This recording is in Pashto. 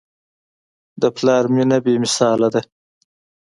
د پلار مینه بېمثاله ده.